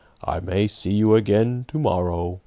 "I may see you again to morrow.